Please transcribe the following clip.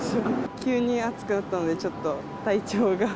急に暑くなったので、ちょっと体調が。